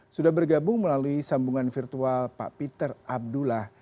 sudah bergabung melalui sambungan virtual pak peter abdullah